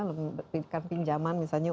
membutuhkan pinjaman misalnya